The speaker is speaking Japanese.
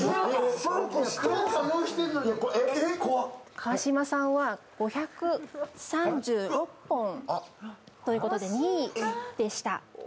川島さんは５３６本ということで、２位でした。